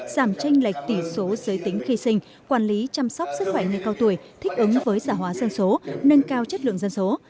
giảm tranh lệch tỷ số giới tính khi sinh quản lý chăm sóc sức khỏe người cao tuổi thích ứng với giả hóa dân số nâng cao chất lượng dân số